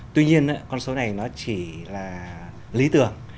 tuy nhiên con số này nó chỉ là lý tưởng